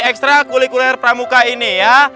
ekstra kulikuler pramuka ini ya